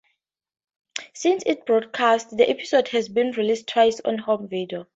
Since its broadcast, the episode has been released twice on home video.